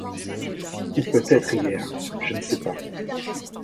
Ou peut-être hier, je ne sais pas.